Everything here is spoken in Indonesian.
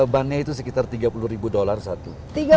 bannya itu sekitar tiga puluh dollars satu